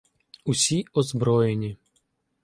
Усі озброєні.